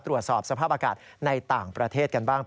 ตรวจสอบสภาพอากาศในต่างประเทศกันบ้าง